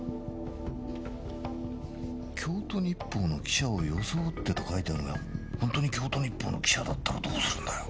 「京都日報の記者を装って」と書いてあるがホントに京都日報の記者だったらどうするんだよ。